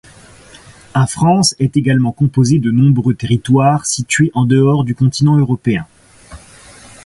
a France est également composée de nombreux territoires situés en dehors du continent européen.